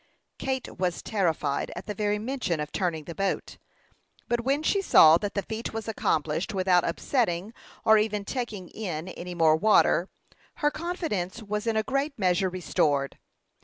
Kate was terrified at the very mention of turning the boat; but when she saw that the feat was accomplished without upsetting or even taking in any more water, her confidence was in a great measure restored.